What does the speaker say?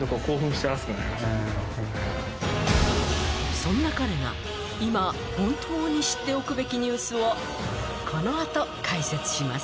そんな彼が今本当に知っておくべきニュースをこの後解説します